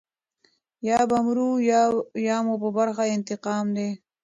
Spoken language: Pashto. یا به مرو یا مو په برخه انتقام دی.